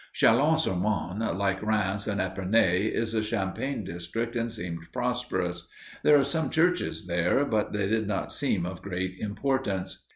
Châlons sur Marne, like Rheims and Epernay, is a champagne center and seemed prosperous. There are some churches there, but they did not seem of great importance.